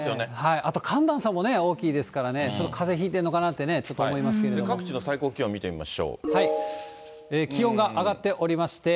あと寒暖差もね、大きいですからね、ちょっとかぜひいてるの各地の最高気温見てみましょ気温が上がっておりまして。